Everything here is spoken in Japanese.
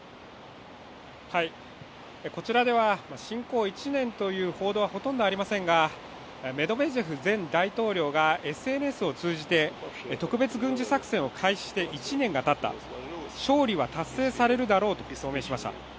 こちらでは侵攻１年という報道はほとんどありませんが、メドベージェフ前大統領がＳＮＳを通じて特別軍事作戦を開始して１年がたった、勝利は達成されるだろうと表明しました。